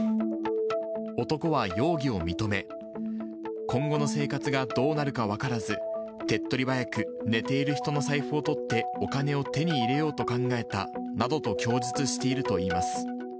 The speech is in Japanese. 男は容疑を認め、今後の生活がどうなるか分からず、手っとり早く寝ている人の財布をとって、お金を手に入れようと考えたなどと供述しているといいます。